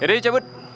ya udah yuk cabut